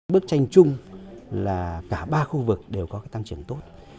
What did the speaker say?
bức tranh chung là cả ba khu vực đều có cái tăng trưởng tốt